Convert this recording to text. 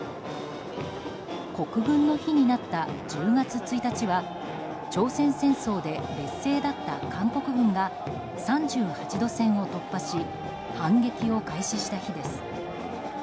国軍の日になった１０月１日は朝鮮戦争で劣勢だった韓国軍が３８度線を突破し反撃を開始した日です。